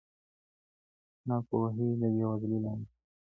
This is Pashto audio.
ناپوهي د بې وزلۍ لامل ده.